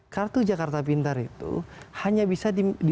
kartu jakarta pintar itu hanya bisa di